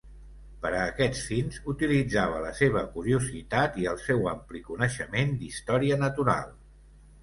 Per a aquests fins, utilitzava la seva curiositat i el seu ampli coneixement d'història natural.